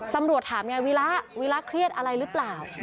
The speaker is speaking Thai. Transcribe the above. ตำรวจถามไงวีระวีระเครียดอะไรหรือเปล่า